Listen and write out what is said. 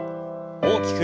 大きく。